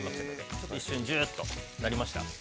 ちょっと一瞬ジューッとなりました？